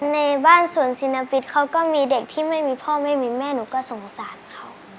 ในบ้านสวนสินพิษเขาก็มีเด็กที่ไม่มีพ่อไม่มีแม่หนูก็สงสารเขา